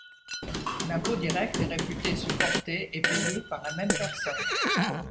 L'impôt direct est réputé supporté et payé par la même personne.